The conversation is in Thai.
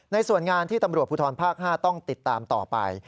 ส่วนงานที่ตำรวจภูทรภาค๕ต้องติดตามต่อไป